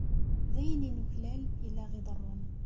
D ayen i nuklal i la aɣ-iḍerrun.